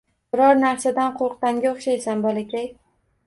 - Biror narsadan qo‘rqqanga o‘xshaysan, bolakay...